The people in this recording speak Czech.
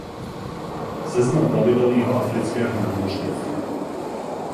Seznam plavidel jihoafrického námořnictva.